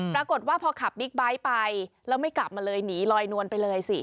ปรากฏว่าพอขับบิ๊กไบท์ไปแล้วไม่กลับมาเลยหนีลอยนวลไปเลยสิ